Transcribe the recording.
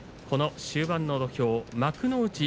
この終盤の土俵、幕内